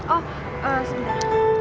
oh eh sebentar